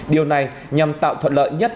điều này nhằm tạo thuận lợi nhất